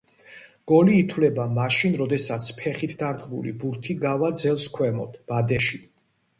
გოლი ითვლება მაშინ, როდესაც ფეხით დარტყმული ბურთი გავა ძელს ქვევით, ბადეში.